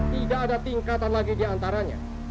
tidak ada tingkatan lagi diantaranya